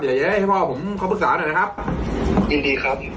เดี๋ยวให้พ่อผมขอปรึกษาหน่อยครับยินดีครับ